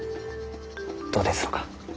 どうですろうか？